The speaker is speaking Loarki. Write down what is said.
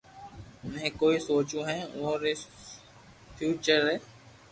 بي ڪوئي سوچوو ھي اووہ ري فيوچر ري